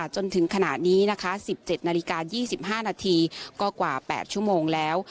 จนถึงขณะนี้นะคะ๑๗นาฬิกา๒๕นาทีก็กว่า๘ชั่วโมงแล้ว